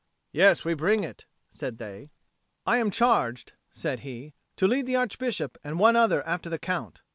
"Yes, we bring it," said they. "I am charged," said he, "to lead the Archbishop and one other after the Count."